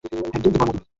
একদম তোমার মতো হয়েছে।